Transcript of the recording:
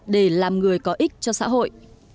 để làm người có ích cho xã hội